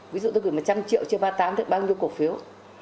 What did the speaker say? ví dụ tôi gửi một trăm linh triệu chưa ba mươi tám thì bao nhiêu cổ phiếu